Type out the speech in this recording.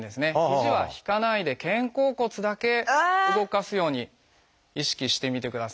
肘は引かないで肩甲骨だけ動かすように意識してみてください。